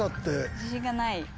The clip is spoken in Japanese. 自信がない。